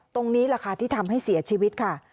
ตรงนี้แหละค่ะที่ทำให้เสียชีวิตค่ะ